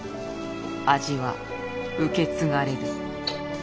味は受け継がれる。